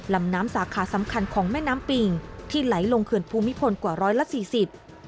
ลำน้ำสาขาสำคัญของแม่น้ำปิ่งที่ไหลลงเขื่อนภูมิพลกว่าร้อยละสี่สิบ